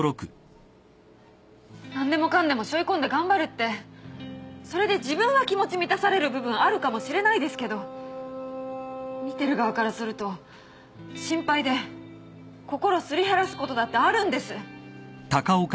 何でもかんでもしょい込んで頑張るってそれで自分は気持ち満たされる部分あるかもしれないですけど見てる側からすると心配で心すり減らすことだってあるんです。